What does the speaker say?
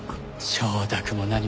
承諾も何も。